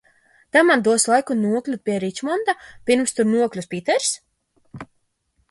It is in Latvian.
Tā man dos laiku nokļūt pie Ričmonda, pirms tur nokļūst Pīters?